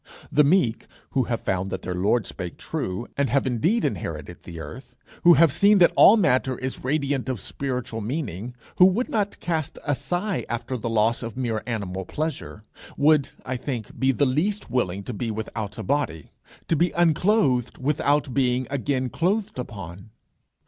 The meek who have found that their Lord spake true, and have indeed inherited the earth, who have seen that all matter is radiant of spiritual meaning, who would not cast a sigh after the loss of mere animal pleasure, would, I think, be the least willing to be without a body, to be unclothed without being again clothed upon.